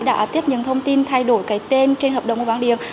đã tiếp những thông tin thay đổi cái tên trên hợp đồng mua bán điện